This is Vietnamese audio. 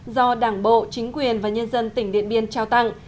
do đảng bộ chính quyền và nhân dân tỉnh điện biên trao tặng